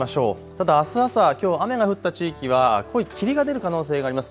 ただあす朝、きょう雨が降った地域は濃い霧が出る可能性があります。